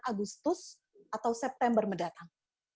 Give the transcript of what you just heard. agustus atau september mendatang